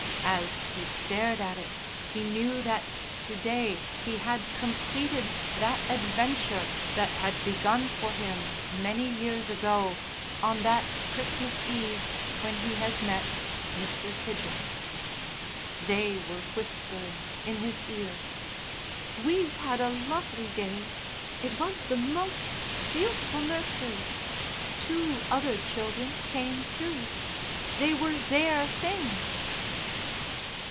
As he stared at it he knew that to day he had completed that adventure that had begun for him many years ago, on that Christmas Eve when he had met Mr. Pidgen. They were whispering in his ear, "We've had a lovely day. It was the most beautiful nursery.... Two other children came too. They wore their things...."